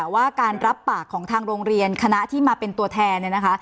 ว่าการรับปากของทางโรงเรียนคณะที่มาเป็นตัวแทน